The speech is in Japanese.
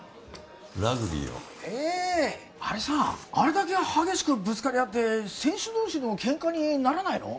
ラグビーをへえあれさあれだけ激しくぶつかり合って選手同士のケンカにならないの？